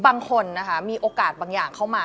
บางคนนะคะมีโอกาสบางอย่างเข้ามา